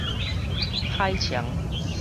海沖